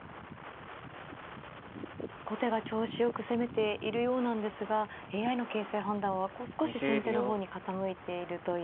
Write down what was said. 後手が調子よく攻めているようなんですがＡＩの形勢判断は少し先手の方に傾いているという。